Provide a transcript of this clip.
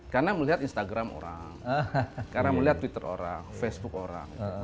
karena melihat instagram orang karena melihat twitter orang facebook orang